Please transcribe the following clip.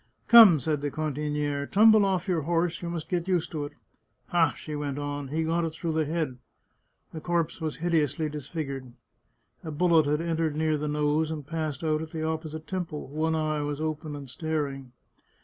" Come," said the cantiniere, " tumble off your horse ; you must get used to it. Ha," she went on, " he got it through the head !" The corpse was hideously disfigured. A bullet had entered near the nose and passed out at the opposite temple. One eye was open and staring.